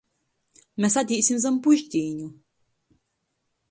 Mes atīsim zam pušdīņu.